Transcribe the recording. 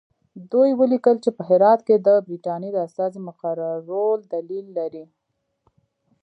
دوی ولیکل چې په هرات کې د برټانیې د استازي مقررول دلیل لري.